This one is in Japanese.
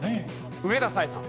上田彩瑛さん。